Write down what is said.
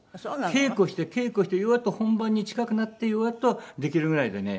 稽古して稽古してようやっと本番に近くなってようやっとできるぐらいでね。